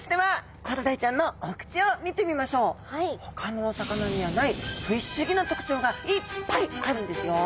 ほかのお魚にはない不思議な特徴がいっぱいあるんですよ。